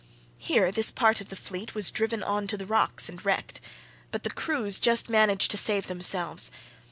Here this part of the fleet was driven on to the rocks and wrecked; but the crews just managed to save themselves.